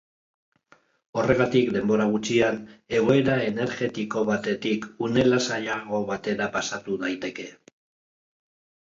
Horregatik, denbora gutxian, egoera energetiko batetik une lasaiago batera pasatu daiteke.